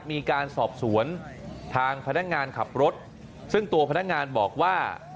มีการสอบสวนทางพนักงานขับรถซึ่งตัวพนักงานบอกว่า